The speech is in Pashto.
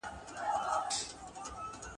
له اورنګه تر فرنګه چي راغلي !.